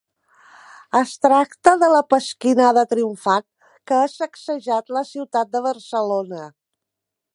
Es tracta de la pasquinada triomfant que ha sacsejat la ciutat de Barcelona.